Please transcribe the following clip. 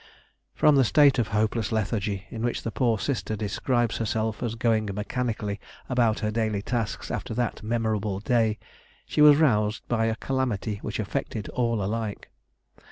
From the state of hopeless lethargy in which the poor sister describes herself as going mechanically about her daily tasks after that memorable day, she was roused by a calamity which affected all alike.